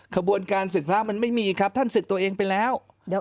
ขบวนการศึกพระมันไม่มีครับท่านศึกตัวเองไปแล้ว